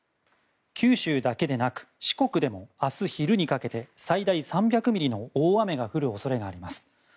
九州だけでなく四国でも明日昼にかけて最大３００ミリの大雨が降る恐れがあります。